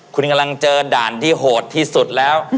คุณกำลังเจอด่านที่โหดที่สุดแล้ว